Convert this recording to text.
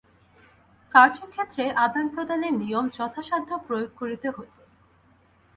কার্যক্ষেত্রে আদান-প্রদানের নিয়ম যথাসাধ্য প্রয়োগ করিতে হইবে।